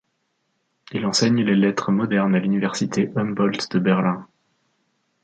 Il enseigne les lettres modernes à l’Université Humboldt de Berlin.